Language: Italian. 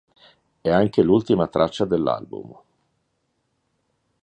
È anche l'ultima traccia dell'album.